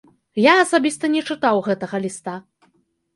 Я асабіста не чытаў гэтага ліста.